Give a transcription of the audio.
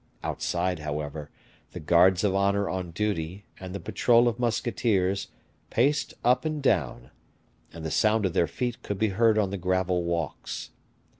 Outside, however, the guards of honor on duty, and the patrol of musketeers, paced up and down; and the sound of their feet could be heard on the gravel walks.